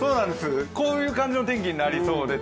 こういう感じの天気になりそうです。